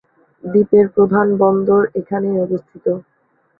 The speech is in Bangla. দ্বীপের প্রধান বন্দর এখানেই অবস্থিত।